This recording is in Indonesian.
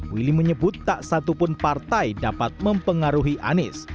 willy menyebut tak satupun partai dapat mempengaruhi anies